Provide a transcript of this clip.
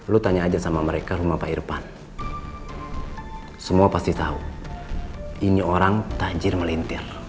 lu tanya aja sama mereka rumah pak irfan